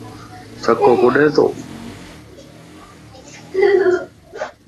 چھڪو ڪڏي تو؟